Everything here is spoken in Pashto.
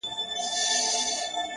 گراني چي ستا سره خبـري كوم؛